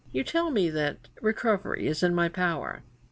You tell me that recovery is in my power.